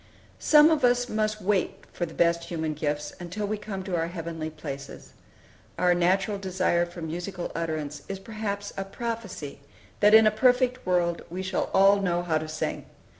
Some of us must wait for the best human gifts until we come to heavenly places. Our natural desire for musical utterance is perhaps a prophecy that in a perfect world we shall all know how to sing.